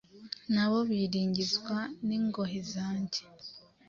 na bo biringizwa n’ingoyi zanjye,